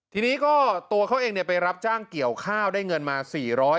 ทีนี้ก็ตัวเขาเองเนี่ยไปรับจ้างเกี่ยวข้าวได้เงินมาสี่ร้อย